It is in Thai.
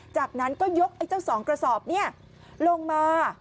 จากนั้นก็ยกเจ้าสองกระสอบลงมา